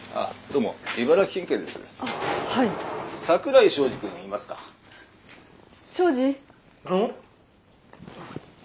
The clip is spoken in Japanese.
うん？